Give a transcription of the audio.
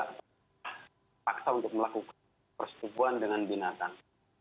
terpaksa untuk melakukan persetubuhan dengan binatang